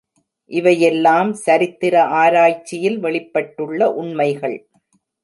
இவையெல்லாம் சரித்திர ஆராய்ச்சியில் வெளிப்பட்டுள்ள உண்மைகள்.